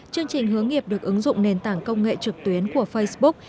chương trình hướng nghiệp được ứng dụng nền tảng công nghệ trực tuyến của facebook